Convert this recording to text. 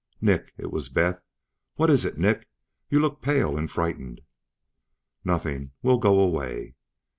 "Nick?" It was Beth. "What is it, Nick? You look pale and frightened." "Nothing. We'll go away."